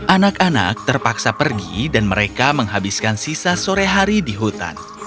anak anak terpaksa pergi dan mereka menghabiskan sisa sore hari di hutan